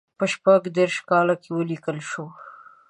په شپږ دېرش کال کې ولیکل شو.